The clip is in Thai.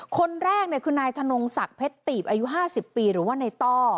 คนแรกคือนายธนงศักดิ์เพชรตีบอายุ๕๐ปีหรือว่าในต้อ